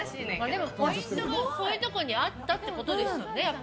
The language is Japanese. でもポイントがそういうところにあったってことですよね。